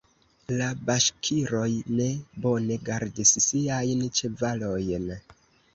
La baŝkiroj ne bone gardis siajn ĉevalojn.